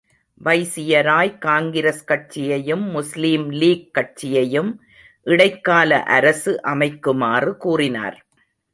வைசியராய் காங்கிரஸ் கட்சியையும் முஸ்லீம் லீக் கட்சியையும் இடைக்கால அரசு அமைக்குமாறு கூறினார்.